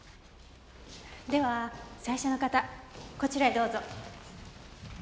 では最初の方こちらへどうぞ。